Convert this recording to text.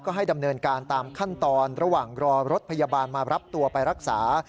ให้ดำเนินการตามขั้นตอนระหว่างรอรถพยาบาลมารับตัวไปรักษา